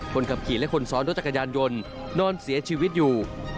คนขับขี่และคนซ้อนรถจักรยานยนต์นอนเสียชีวิตอยู่